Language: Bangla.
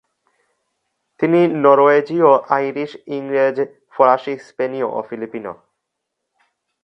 তিনি নরওয়েজীয় আইরিশ ইংরেজ ফরাসি স্পেনীয় ও ফিলিপিনো।